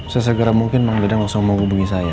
sesegera mungkin emang dadeng langsung mau hubungi saya ya